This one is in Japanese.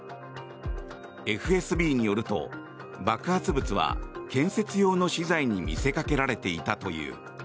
ＦＳＢによると爆発物は建設用の資材に見せかけられていたという。